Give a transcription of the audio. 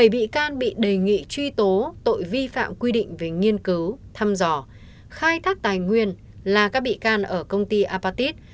bảy bị can bị đề nghị truy tố tội vi phạm quy định về nghiên cứu thăm dò khai thác tài nguyên là các bị can ở công ty apatit